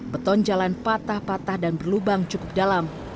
beton jalan patah patah dan berlubang cukup dalam